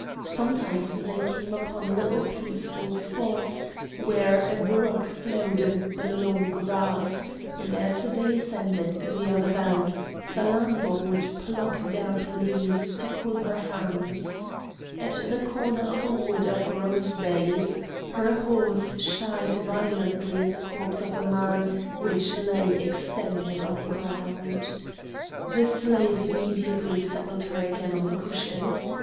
Sometimes they came upon little peaceful spots, where a brook flowed amid the long grass; and as they ascended the other bank Salammbô would pluck damp leaves to cool her hands. At the corner of a wood of rose bays her horse shied violently at the corpse of a man which lay extended on the ground. The slave immediately settled her again on the cushions.